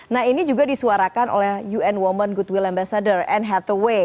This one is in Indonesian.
nah ini juga disuarakan oleh un women goodwill ambassador anne hathaway